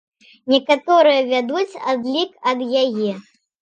Некаторыя вядуць адлік ад яе.